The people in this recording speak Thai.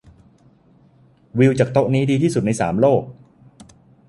วิวจากโต๊ะนี้ดีที่สุดในสามโลก